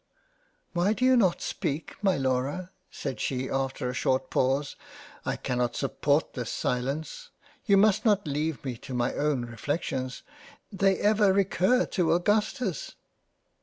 " Why do you not speak my Laura ? (said she after a short pause) " I cannot support this silence you must not leave me to my own reflections ; they ever recur to Augustus."